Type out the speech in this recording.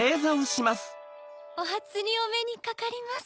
おはつにおめにかかります。